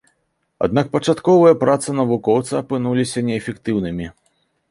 Аднак пачатковыя працы навукоўца апынуліся неэфектыўнымі.